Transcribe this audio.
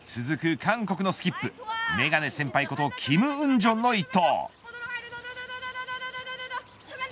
韓国のスキップメガネ先輩ことキム・ウンジョンの一投。